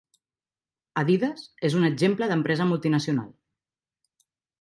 Adidas és un exemple d'empresa multinacional